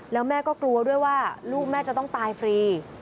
แล้วแม่ก็กลัวด้วยว่าลูกแม่จะต้องตายฟรี